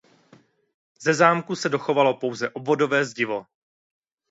Ze zámku se dochovalo pouze obvodové zdivo.